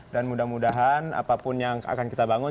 dan mudah mudahan apapun yang akan kita bangun